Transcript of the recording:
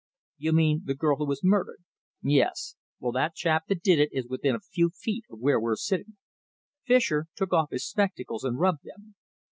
"You mean the girl who was murdered?" "Yes! Well, the chap that did it is within a few feet of where we're sitting." Fischer took off his spectacles and rubbed them.